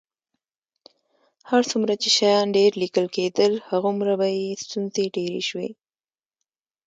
هر څومره چې شیان ډېر لیکل کېدل، همغومره به یې ستونزې ډېرې شوې.